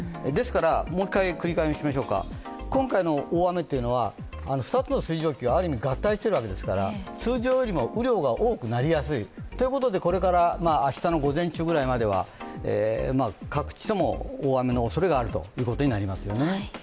もう１回繰り返しましょうか、今回の大雨というのは２つの水蒸気がある意味合体しているわけですから、通常よりも雨量が多くなりやすい。ということで、これから明日の午前中ぐらいまでは各地とも大雨のおそれがあるということになりますよね。